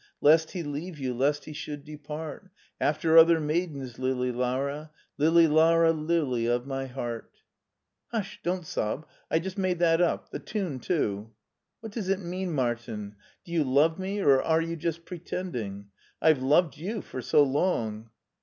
Lest he leave you, lest he should depart After other maidens, Lili Lara! Lili Lara, lili of my heart Hush, don't sob. I made that up. The tune too." What does it mean, Martin? Do you love me, or are you just pretending? I've loved you for so long."